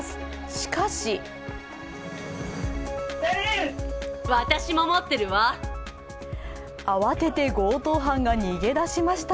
しかし慌てて強盗犯が逃げ出しました。